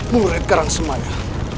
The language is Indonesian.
murid karang semaya